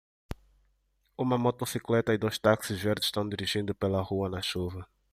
Uma motocicleta e dois táxis verdes estão dirigindo pela rua na chuva.